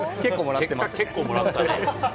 結構もらったね。